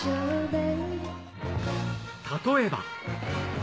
例えば。